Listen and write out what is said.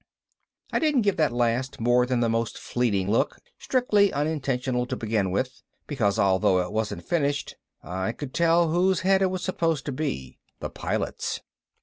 I didn't give that last more than the most fleeting look, strictly unintentional to begin with, because although it wasn't finished I could tell whose head it was supposed to be the Pilot's.